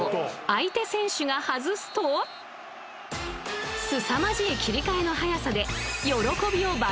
相手選手が外すとすさまじい切り替えの早さで］